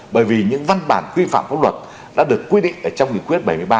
bởi vì những văn bản quy phạm pháp luật đã được quy định trong nghị quyết bảy mươi ba